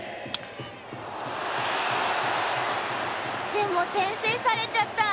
でも、先制されちゃった。